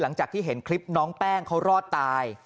หลังจากที่เห็นคลิปน้องแป้งเขารอดตาย